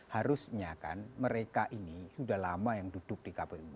harusnya kan mereka ini sudah lama yang duduk di kpu